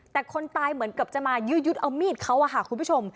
แต่คนตายเหมือนเกือบจะมายืดเอามีดเขาอาหารคุณผู้ชม